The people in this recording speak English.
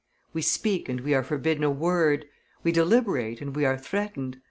We speak, and we are forbidden a word; we deliberate, and we are threatened.